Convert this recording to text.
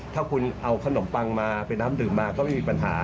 ถ้าคุณเอาขนมปังมาเป็นน้ำดื่มมาก็ไม่มีปัญหา